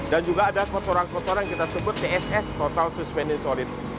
dan juga ada kotoran kotoran yang kita sebut tss total suspended solid